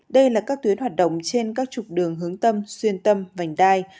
đây là các tuyến hoạt động trên các trục đường hướng tâm xuyên tâm vành đai